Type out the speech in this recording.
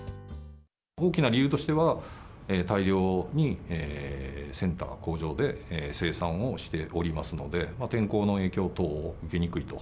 大きな理由としては、大量にセンター工場で生産をしておりますので、天候の影響等を受けにくいと。